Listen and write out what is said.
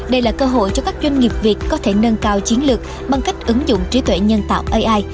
đây là cơ hội cho các doanh nghiệp việt có thể nâng cao chiến lược bằng cách ứng dụng trí tuệ nhân tạo ai